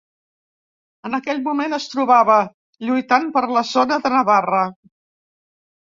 En aquell moment es trobava lluitant per la zona de Navarra.